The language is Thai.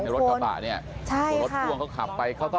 ถ้ารถกระบากนี้อารถกวองเขาขับไป